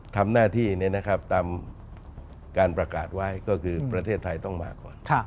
ทำหน้าที่ตามการประกาศไว้ก็คือประเทศไทยต้องมาก่อน